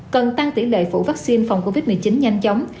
cần tăng tỷ lệ phủ vaccine phòng covid một mươi chín nhanh chóng